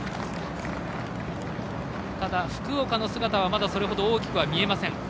ただ、福岡の姿はそれほど大きく見えません。